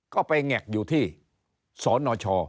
ก็ไปแงกอยู่ที่สนช